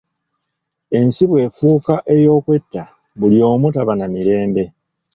Ensi bw'efuuka ey'okwetta buli omu taba na Mirembe.